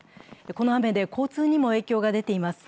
この雨で交通にも影響が出ています。